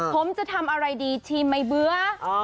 ผมจะทำอะไรดีชิมไม่เบื่อ